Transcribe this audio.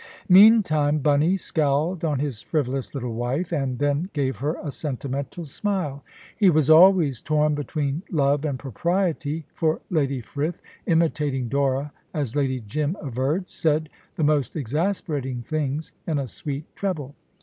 Meantime, "Bunny" scowled on his frivolous little wife, and then gave her a sentimental smile. He was always torn between love and propriety, for Lady Frith, imitating Dora, as Lady Jim averred, said the most exasperating things in a sweet treble.